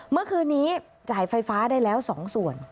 เมื่อคืนนี้จ่ายไฟฟ้าได้แล้ว๒ส่วน